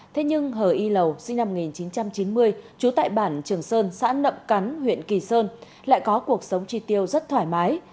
thế nhưng hờ y lầu sinh năm một nghìn chín trăm chín mươi trú tại bản trường sơn xã nậm cắn huyện kỳ sơn lại có cuộc sống tri tiêu rất thoải mái